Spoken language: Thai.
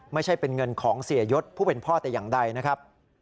ไม่ใช่เป็นเงินของเสียยศผู้เป็นพ่อแต่อย่างใดนะครับ